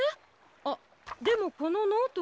あっでもこのノートが。